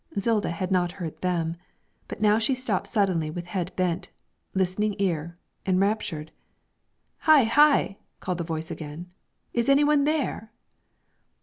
Zilda had not heard them, but now she stopped suddenly with head bent, listening eager, enraptured. 'Hi! hi!' called the voice again. 'Is any one there?'